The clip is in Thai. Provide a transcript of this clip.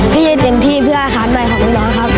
พี่จะเตรียมที่เพื่ออาคารใหม่ของน้องครับ